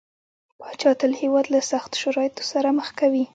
پاچا تل هيواد له سختو شرايطو سره مخ کوي .